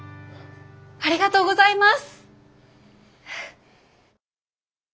ありがとうございます！